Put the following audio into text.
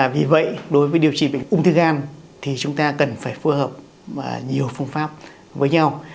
vì vậy đối với điều trị bệnh ung thư gan thì chúng ta cần phải phù hợp nhiều phương pháp với nhau